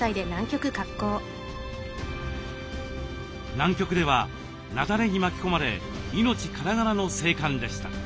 南極では雪崩に巻き込まれ命からがらの生還でした。